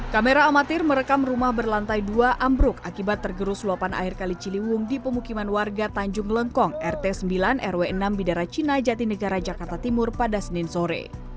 kamera amatir merekam rumah berlantai dua ambruk akibat tergerus luapan air kali ciliwung di pemukiman warga tanjung lengkong rt sembilan rw enam bidara cina jatinegara jakarta timur pada senin sore